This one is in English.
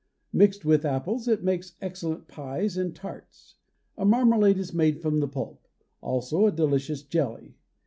Mixed with apples it makes excellent pies and tarts. A marmalade is made from the pulp, also a delicious jelly.